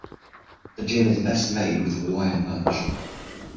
The gin is best made with Hawaiian Punch.